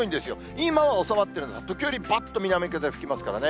今は収まってるんですが、時折ばっと南風吹きますからね。